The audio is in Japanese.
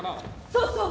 そうそう。